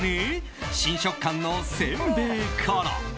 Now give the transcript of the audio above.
新食感のせんべいから。